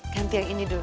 ganti yang ini dulu